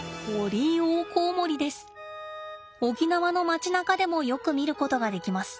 沖縄の街なかでもよく見ることができます。